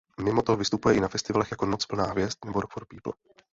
Mimoto vystupuje i na festivalech jako "Noc plná hvězd" nebo "Rock for People".